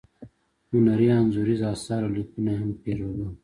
هنري انځوریز اثار او لیکونه یې هم پیرودل.